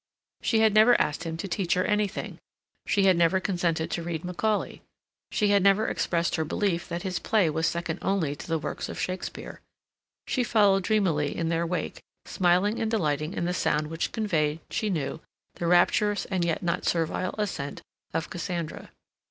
She had never asked him to teach her anything; she had never consented to read Macaulay; she had never expressed her belief that his play was second only to the works of Shakespeare. She followed dreamily in their wake, smiling and delighting in the sound which conveyed, she knew, the rapturous and yet not servile assent of Cassandra.